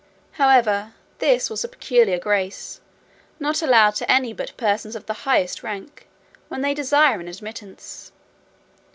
However, this was a peculiar grace, not allowed to any but persons of the highest rank, when they desire an admittance.